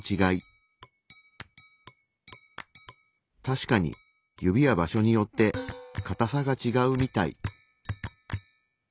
たしかに指は場所によってかたさがちがうみたい。